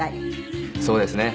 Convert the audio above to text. そうですね。